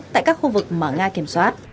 tại các khu vực mà nga kiểm soát